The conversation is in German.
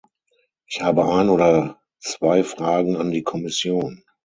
Ich habe ein oder zwei Fragen an die Kommission.